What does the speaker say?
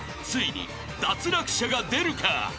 ついに脱落者が出るか？］